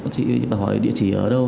chị bảo hỏi địa chỉ ở đâu